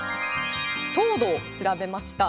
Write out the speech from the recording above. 糖度を調べました。